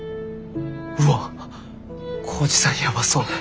うわっ耕治さんやばそう。